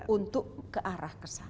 untuk ke arah kesana